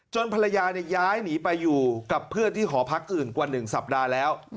ภรรยาย้ายหนีไปอยู่กับเพื่อนที่หอพักอื่นกว่า๑สัปดาห์แล้ว